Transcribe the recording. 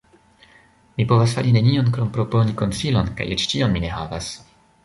Mi povas fari nenion krom proponi konsilon, kaj eĉ tion mi ne havas.